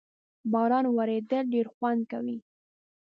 باران ورېدل ډېر خوند کوي